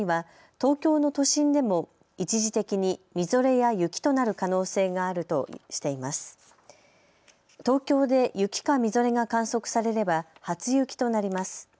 東京で雪かみぞれが観測されれば初雪となります。